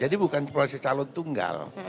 jadi bukan proses calon tunggal